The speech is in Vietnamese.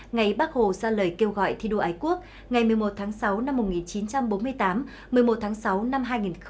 ngày bác hồ ra lời kêu gọi thi đua ái quốc ngày một mươi một tháng sáu năm một nghìn chín trăm bốn mươi tám một mươi một tháng sáu năm hai nghìn một mươi chín